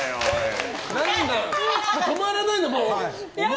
止まらないの？